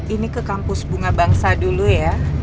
ini ke kampus bunga bangsa dulu ya